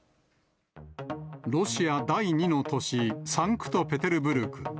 ロシア第２の都市、サンクトペテルブルク。